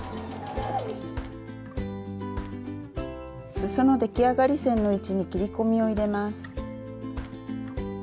すその出来上がり線の位置に切り込みを入れます。